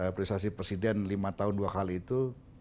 apresiasi presiden lima tahun dua kali itu